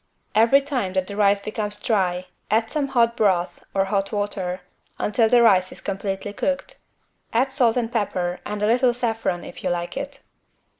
Every time that the rice becomes dry, add some hot broth (or hot water) until the rice is completely cooked. Add salt and pepper and a little saffron, if you like it.